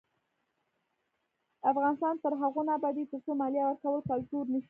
افغانستان تر هغو نه ابادیږي، ترڅو مالیه ورکول کلتور نشي.